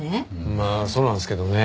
まあそうなんですけどね。